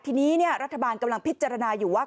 ทีนี้รัฐบาลกำลังพิจารณาอยู่ว่า